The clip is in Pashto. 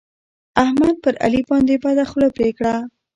احمد پر علي باندې بده خوله پرې کړه.